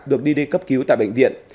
được đi đi cấp cứu tại bệnh viện